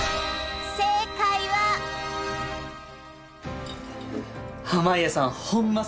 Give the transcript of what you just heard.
正解は濱家さんホンマ